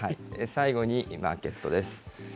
最後にマーケットです。